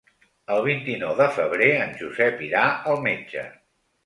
El vint-i-nou de febrer en Josep irà al metge.